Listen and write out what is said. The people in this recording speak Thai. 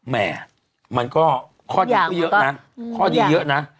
แหม่มันก็ข้อดีก็เยอะนะข้อดีเยอะนะ